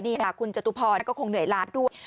นี่ค่ะคุณจตุพรก็คงเหนื่อยล้านด้วย